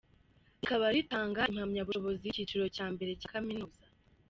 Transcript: Rikaba ritanga impamyabushobozi y’ikiciro cya mbere cya kaminuza.